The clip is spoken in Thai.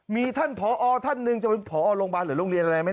มีท่านผอท่านเงินผอโรงัติรหรือโรงเรียนอะไร